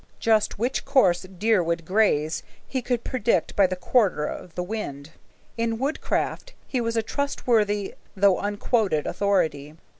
Just which course deer would graze he could predict by the quarter of the wind. In woodcraft he was a trustworthy though unquoted authority.